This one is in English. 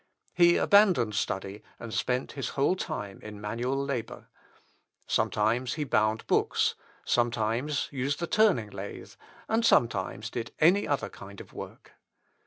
He abandoned study, and spent his whole time in manual labour. Sometimes he bound books, sometimes used the turning lathe, and sometimes did any other kind of work.